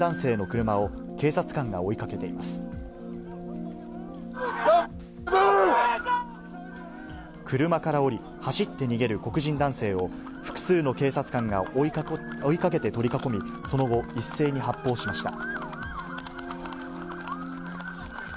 車から降り、走って逃げる黒人男性を、複数の警察官が追いかけて取り囲み、その後、一斉に発砲しました。